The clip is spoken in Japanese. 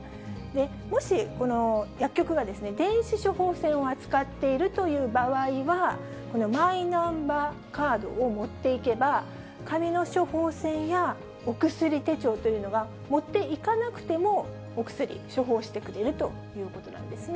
もし薬局が電子処方箋を扱っているという場合は、このマイナンバーカードを持って行けば、紙の処方箋やお薬手帳というのは持っていかなくても、お薬処方してくれるということなんですね。